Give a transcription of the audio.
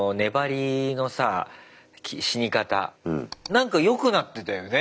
なんかよくなってたよね。